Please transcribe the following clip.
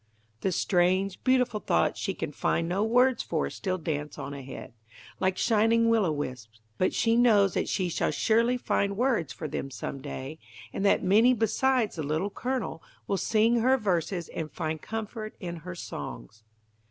The strange, beautiful thoughts she can find no words for still dance on ahead, like shining will 'o the wisps, but she knows that she shall surely find words for them some day, and that many besides the Little Colonel will sing her verses and find comfort in her songs.